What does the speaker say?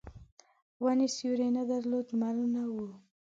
ونې سیوری نه درلود لمرونه وو.